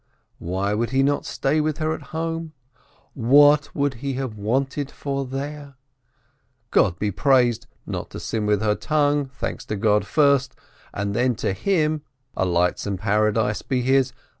Why would he not stay with her at home ? What would he have wanted for there ? God be praised, not to sin with her tongue, thanks to God first, and then to him (a lightsome paradise be his!)